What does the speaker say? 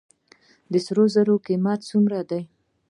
د سرو زرو قیمت څومره دی؟